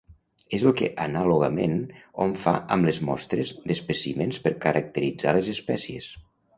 És el que anàlogament hom fa amb les mostres d'espècimens per caracteritzar les espècies.